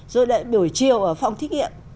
rồi lại buổi chiều ở phòng thí nghiệm